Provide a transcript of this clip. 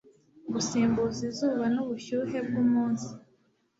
gusimbuza izuba nubushyuhe bwumunsi